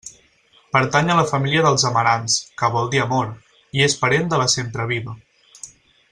Pertany a la família dels amarants, que vol dir amor, i és parent de la sempreviva.